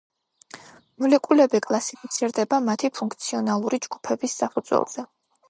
მოლეკულები კლასიფიცირდება მათი ფუნქციონალური ჯგუფების საფუძველზე.